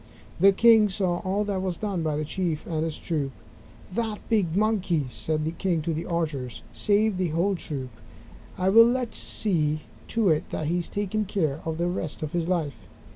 The king saw all that was done by the Chief and his troop. "That big Monkey," said the king to the archers, "saved the whole troop. I will see to it that he is taken care of the rest of his life."